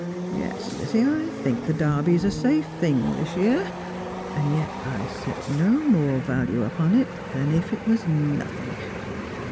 Yes, Lizzie, I think the Derby's a safe thing this year; and yet I set no more value upon it than if it was nothing.